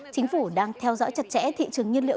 chính phủ đang theo dõi chặt chẽ thị trường nhiên liệu